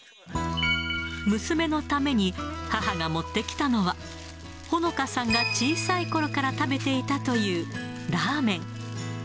娘のために母が持ってきたのは、ほのかさんが小さいころから食べていたというラーメン。